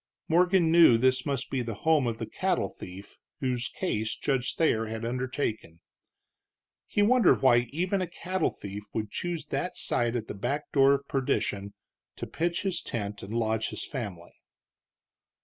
Morgan knew this must be the home of the cattle thief whose case Judge Thayer had undertaken. He wondered why even a cattle thief would choose that site at the back door of perdition to pitch his tent and lodge his family.